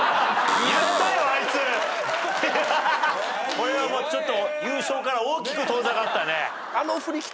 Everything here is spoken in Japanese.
これはもうちょっと優勝から大きく遠ざかったね。